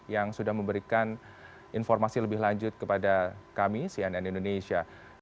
yang sudah memberikan informasi lebih lanjut kepada kami cnn indonesia